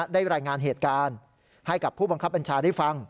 ได้รายงานเหตุการณ์ให้กับผู้บังคับบัญชาได้ฟัง